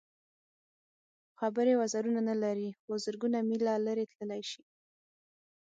خبرې وزرونه نه لري خو زرګونه مېله لرې تللی شي.